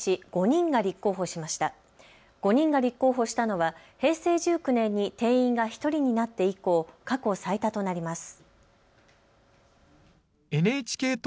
５人が立候補したのは平成１９年に定員が１人になって以降、過去最多となります。